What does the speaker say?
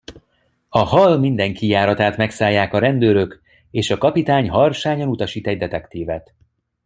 A hall minden kijáratát megszállják a rendőrök, és a kapitány harsányan utasít egy detektívet.